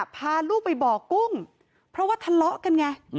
พาลูกไปบ่อกุ้งเพราะว่าทะเลาะกันไง